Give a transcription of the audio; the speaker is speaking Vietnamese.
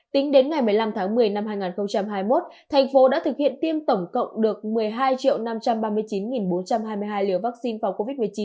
tính đến ngày một mươi năm tháng một mươi năm hai nghìn hai mươi một thành phố đã thực hiện tiêm tổng cộng được một mươi hai năm trăm ba mươi chín bốn trăm hai mươi hai liều vaccine phòng covid một mươi chín